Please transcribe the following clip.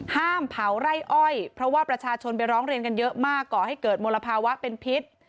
ห้ามเผาไร่อ้อยเพราะว่าประชาชนไปร้องเรียนกันเยอะมากก่อให้เกิดมลภาวะเป็นพิษ